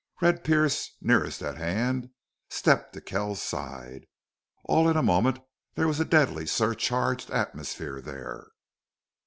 Red Pearce, nearest at hand, stepped to Kells's side. All in a moment there was a deadly surcharged atmosphere there.